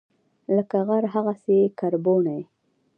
لکه غر، هغسي یې کربوڼی